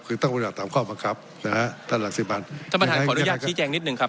คือต้องปฏิบัติตามข้อบังคับนะฮะท่านหลักสิบมันท่านประธานขออนุญาตชี้แจงนิดหนึ่งครับ